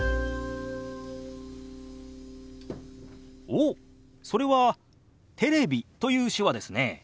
おっそれは「テレビ」という手話ですね。